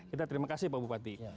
kita terima kasih pak bupati